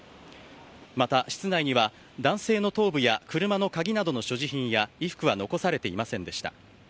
また、室内には男性の頭部や車の鍵などの所持品や衣服は残されていませんでした。